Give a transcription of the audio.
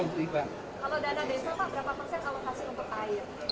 kalau dana desa pak berapa pulsa kalau kasih untuk air